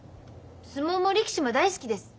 相撲も力士も大好きです。